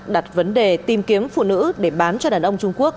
đặt vấn đề tìm kiếm phụ nữ để bán cho đàn ông trung quốc